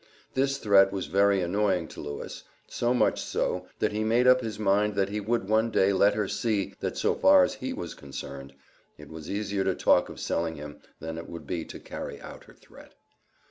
This threat was very annoying to Lewis, so much so, that he made up his mind that he would one day let her see, that so far as he was concerned, it was easier to talk of selling than it would be to carry out her threat.